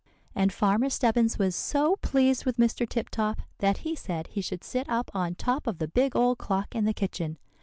"And Farmer Stebbins was so pleased with Mr. Tip Top that he said he should sit up on top of the big old clock in the kitchen.